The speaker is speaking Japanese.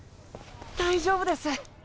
大丈夫です。